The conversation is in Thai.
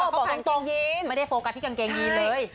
อ๋อบอกตรงไม่ได้โฟกัสที่กางเกงยีนเลย